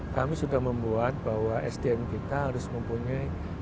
kami sudah membuat bahwa sdm kita harus mempunyai